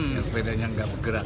yang bedanya nggak bergerak